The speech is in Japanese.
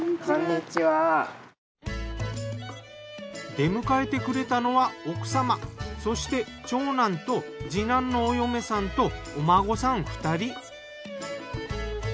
出迎えてくれたのは奥様そして長男と次男のお嫁さんとお孫さん２人。